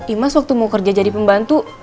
imas waktu mau kerja jadi pembantu